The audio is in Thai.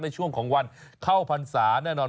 ในช่วงของวันเข้าพรรษาแน่นอน